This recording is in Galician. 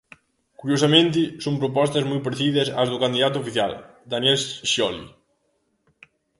Curiosamente, son propostas moi parecidas ás do candidato oficial, Daniel Scioli.